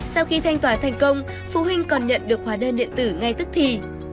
sau khi thanh toán thành công phụ huynh còn nhận được hóa đơn điện tử ngay tức thì